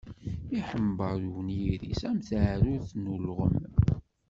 Iḥember unyir-is am taɛrurt n ulɣem.